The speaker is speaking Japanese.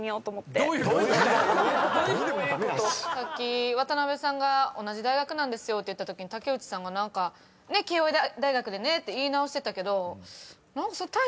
さっき渡邊さんが同じ大学なんですって言ったときに竹内さんが「ねっ慶應大学でね」って言い直してたけど。